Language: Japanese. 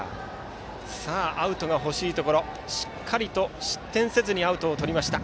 アウトが欲しいところでしっかりと失点せずにアウトをとりました。